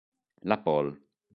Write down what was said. La Pol.